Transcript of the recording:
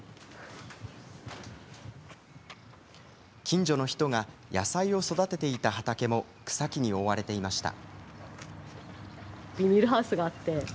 近所の人が野菜を育てていた畑も草木に覆われていました。